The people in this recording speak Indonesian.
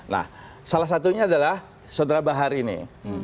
nah salah satunya adalah sodrabahar ini